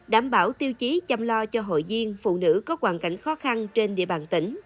đảm bảo tiêu chí chăm lo cho hội viên phụ nữ có hoàn cảnh khó khăn trên địa bàn tỉnh